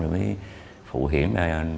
mình mới phụ hiển